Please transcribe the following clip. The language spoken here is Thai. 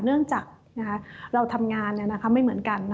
เนื่องจากเราทำงานไม่เหมือนกัน